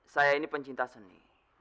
saya ini pencinta seni